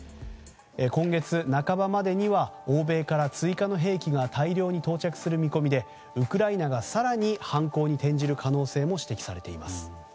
今月半ばまでには欧米から追加の兵器が大量に到着する見込みでウクライナが更に反攻に転じる可能性も指摘されています。